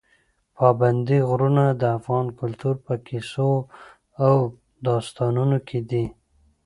پابندي غرونه د افغان کلتور په کیسو او داستانونو کې دي.